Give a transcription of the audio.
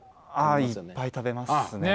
いっぱい食べますね。